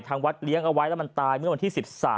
วัดเลี้ยงเอาไว้แล้วมันตายเมื่อวันที่๑๓